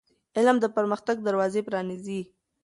علم د پرمختګ دروازې پرانیزي.